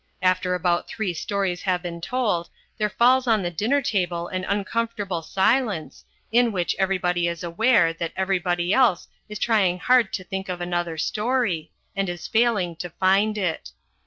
After about three stories have been told, there falls on the dinner table an uncomfortable silence, in which everybody is aware that everybody else is trying hard to think of another story, and is failing to find it.